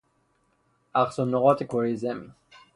اقصی نقاط کرهی زمین